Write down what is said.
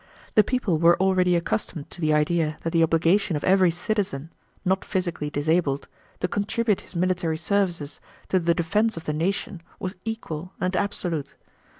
The people were already accustomed to the idea that the obligation of every citizen, not physically disabled, to contribute his military services to the defense of the nation was equal and absolute.